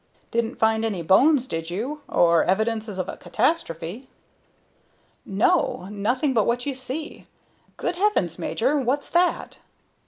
Didn't find any bones, did you, or evidences of a catastrophe?" "No. Nothing but what you see. Good heavens, major! What's that?"